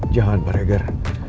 jangan pak regar